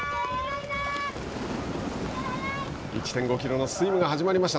１．５キロのスイムが始まりました。